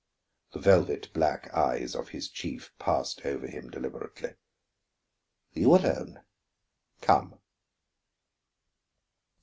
The velvet black eyes of his chief passed over him deliberately. "You alone; come."